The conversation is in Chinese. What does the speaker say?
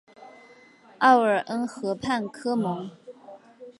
奥尔恩河畔科蒙。